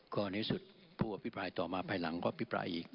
ก่อนในสุดผู้อภิปรายต่อมาผลังภิปรายอีก